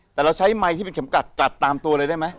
แต่เราใช้ไมค์ที่เป็นเข็มกัดกัดตามตัวเลยได้ไหม